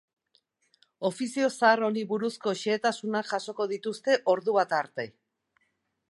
Ofizio zahar honi buruzko xehetasunak jasoko dituzte ordubata arte.